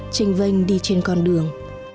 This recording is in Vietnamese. trênh vênh đi trên con đường